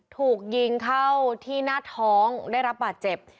ถูกยิงเข้าที่หน้าท้องได้รับบาดเจ็บ